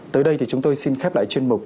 tới đây thì chúng tôi xin khép lại chuyên mục